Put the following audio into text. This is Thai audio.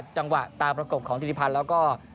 จังหวะตามประกบของธิริพันธ์แล้วก็